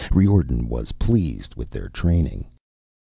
Riordan was pleased with their training.